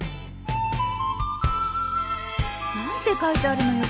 何て書いてあるのよ